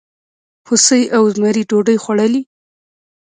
هوسۍ او زمري ډوډۍ خوړلې؟